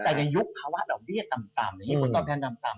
แต่ยังยุคเพราะว่าเราเรียกต่ำญี่ปุ่นต้องแทนต่ำ